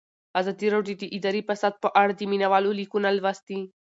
ازادي راډیو د اداري فساد په اړه د مینه والو لیکونه لوستي.